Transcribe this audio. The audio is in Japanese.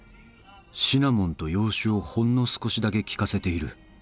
シナモンと洋酒をほんの少しだけ効かせている。